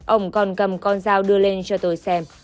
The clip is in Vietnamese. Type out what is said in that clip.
ông còn cầm con dao đưa lên cho tôi xem